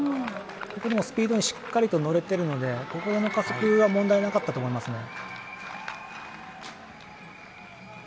スピードにしっかりと乗れているのでここの加速は問題なかったと思います。